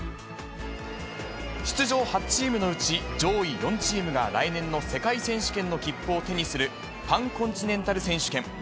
出場８チームのうち上位４チームが来年の世界選手権の切符を手にする、パンコンチネンタル選手権。